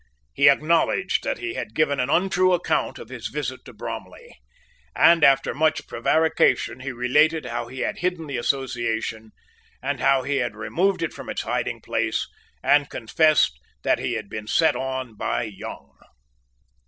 He acknowledged that he had given an untrue account of his visit to Bromley; and, after much prevarication, he related how he had hidden the Association, and how he had removed it from its hiding place, and confessed that he had been set on by Young.